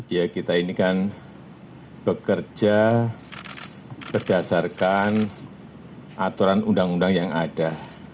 ya kita ini kan bekerja berdasarkan aturan undang undang yang ada